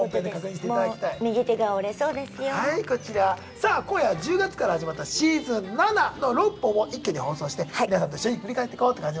さあ今夜は１０月から始まったシーズン７の６本を一挙に放送して皆さんと一緒に振り返ってこうって感じでございます。